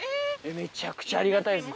めちゃくちゃありがたいです